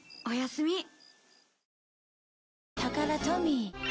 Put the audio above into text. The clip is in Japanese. おやすみ。